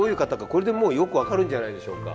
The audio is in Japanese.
これでもうよく分かるんじゃないでしょうか。